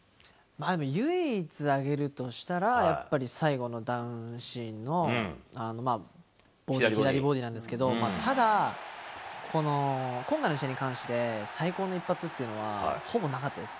唯一挙げるとしたら、やっぱり最後のダウンシーンの左ボディなんですけど、ただ、今回の試合に関して、最高の一発というのはほぼなかったです。